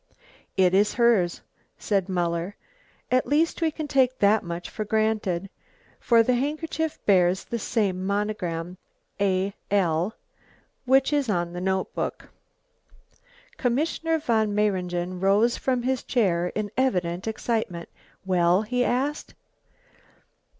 "It is hers," said Muller. "At least we can take that much for granted, for the handkerchief bears the same monogram, A. L., which is on the notebook." Commissioner von Mayringen rose from his chair in evident excitement. "Well?" he asked.